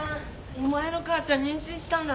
お前の母ちゃん妊娠したんだって？